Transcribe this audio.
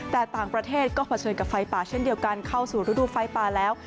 แต่ต่างประเทศก็เผชิญกับไฟป่าเช่นเดียวกันเข้าสู่ฤดูไฟป่าแล้ว